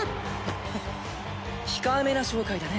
フッ控えめな紹介だね。